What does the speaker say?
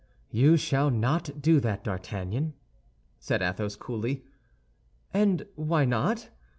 "You shall not do that, D'Artagnan," said Athos, coolly. "And why not?